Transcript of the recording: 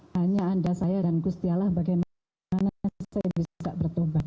hanya anda saya dan gustialah bagaimana saya bisa bertobat